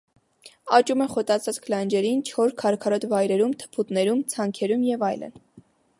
Աճում է խոտածածկ լանջերին, չոր, քարքարոտ վայրերում, թփուտներում, ցանքերում և այլն։